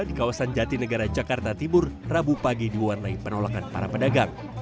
di kawasan jati negara jakarta tibur rabu pagi diwarnai penolakan para pedagang